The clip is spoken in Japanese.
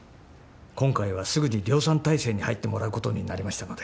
今回はすぐに量産態勢に入ってもらうことになりましたので。